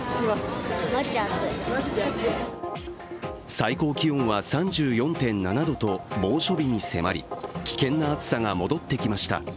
最高気温は３４．７度と猛暑日に迫り、危険な暑さが戻ってきました。